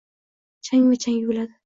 Chang va chang yuviladi